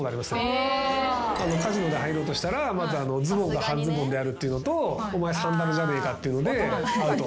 カジノ入ろうとしたらズボンが半ズボンであるっていうのとお前サンダルじゃねえかっていうのでアウト。